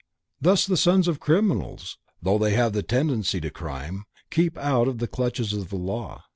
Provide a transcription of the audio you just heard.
Thus the sons of criminals, though they have the tendencies to crime, keep out of the clutches of the law.